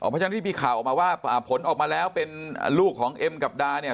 อ๋อพระเจ้าที่มีข่าวออกมาว่าอ่าผลออกมาแล้วเป็นอ่าลูกของเอ็มกับดาเนี่ย